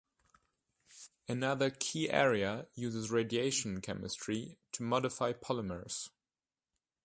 Another key area uses radiation chemistry to modify polymers.